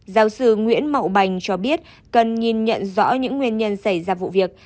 giáo sư nguyễn mậu bành cho biết cần nhìn nhận rõ những nguyên nhân xảy ra vụ việc